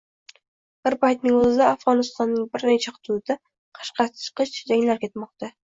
Bir paytning o‘zida Afg‘onistonning bir necha hududida qaqshatqich janglar ketmoqda.